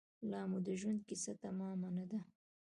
لامو د ژوند کیسه تمامه نه ده